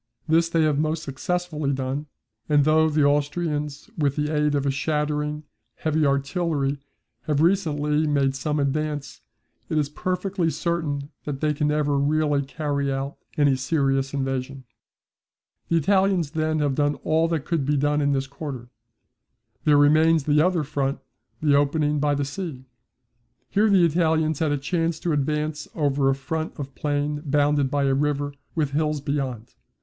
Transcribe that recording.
This they have most successfully done, and though the Austrians with the aid of a shattering heavy artillery have recently made some advance, it is perfectly certain that they can never really carry out any serious invasion. The Italians then have done all that could be done in this quarter. There remains the other front, the opening by the sea. Here the Italians had a chance to advance over a front of plain bounded by a river with hills beyond.